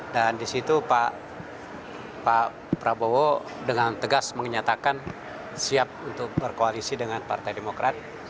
dan di situ pak prabowo dengan tegas mengenatakan siap berkoalisi dengan partai demokrat